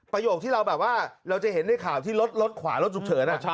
ประโยคที่เราแบบว่าเราจะเห็นในข่าวที่รถรถขวารถฉุกเฉิน